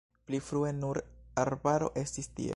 Pli frue nur arbaro estis tie.